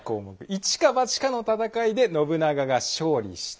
「一か八かの戦いで信長が勝利した」。